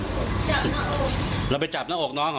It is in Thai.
จับหน้าอกเราไปจับหน้าอกน้องอ่ะไหม